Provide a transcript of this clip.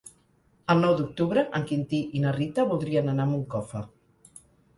El nou d'octubre en Quintí i na Rita voldrien anar a Moncofa.